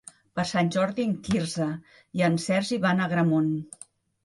Per Sant Jordi en Quirze i en Sergi van a Agramunt.